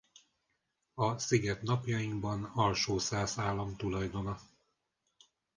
A sziget napjainkban alsó-szász állam tulajdona.